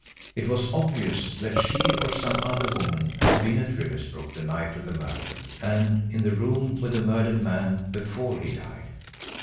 It was obvious that she or some other woman had been at Riversbrook the night of the murder, and in the room with the murdered man before he died.